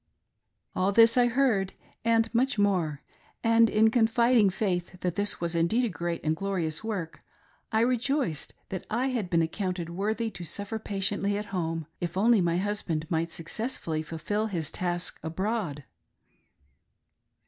All this I heard, and much more; and in confiding faith that this was indeed a great and glorious work, I rejoiced that I had been accounted worthy to suffer patiently at home, if only my husband might successfully fulfil his task abroad.